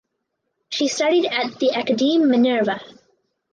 She studied at the "Academie Minerva".